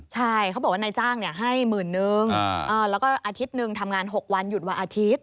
ใช่เขาบอกว่านายจ้างให้หมื่นนึงแล้วก็อาทิตย์หนึ่งทำงาน๖วันหยุดวันอาทิตย์